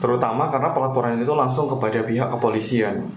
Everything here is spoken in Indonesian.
terutama karena pelaporan itu langsung kepada pihak kepolisian